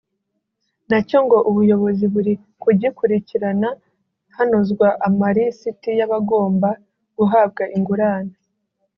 na cyo ngo ubuyobozi buri kugikurikirana hanozwa amarisiti y’abagomba guhabwa ingurane